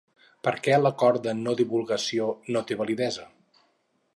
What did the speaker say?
Per què l'acord de no-divulgació no té validesa?